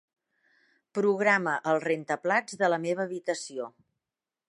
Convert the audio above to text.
Programa el rentaplats de la meva habitació.